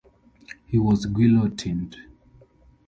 He was guillotined.